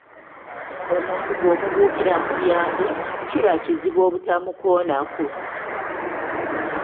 Omuntu bw'omubuukira mu mulyango, kiba kizibu obutamukoonako.